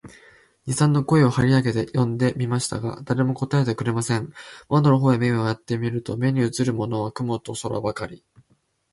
二三度声を張り上げて呼んでみましたが、誰も答えてくれません。窓の方へ目をやって見ると、目にうつるものは雲と空ばかり、